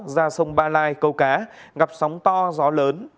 ra sông ba lai câu cá gặp sóng to gió lớn